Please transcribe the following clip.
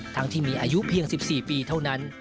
ที่มีอายุเพียง๑๔ปีเท่านั้น